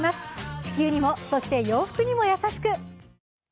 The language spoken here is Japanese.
地球にも、そして洋服にも優しく。